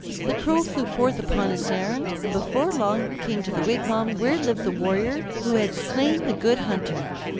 The Crow flew forth upon his errand, and before long came to the wigwam where lived the warrior who had slain the Good Hunter.